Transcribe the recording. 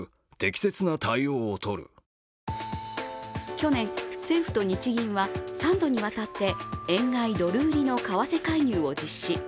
去年、政府と日銀は３度にわたって円買い・ドル売りの為替介入を実施。